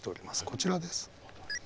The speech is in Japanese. こちらです。